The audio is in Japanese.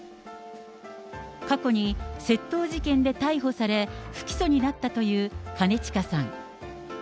過去に窃盗事件で逮捕され、不起訴になったという兼近さん。